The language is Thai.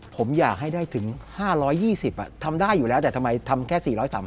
ผมอยากให้ได้ถึง๕๒๐ทำได้อยู่แล้วแต่ทำไมทำแค่๔๓๐